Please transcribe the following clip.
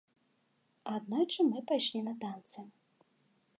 Аднойчы мы пайшлі на танцы.